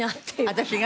私が？